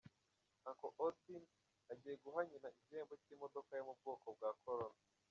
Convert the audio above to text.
Uncle Austin agiye guha nyina igihembo cy'imodoka yo mu bwoko bwa Corona.